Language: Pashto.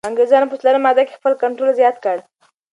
انګریزانو په څلورمه ماده کي خپل کنټرول زیات کړ.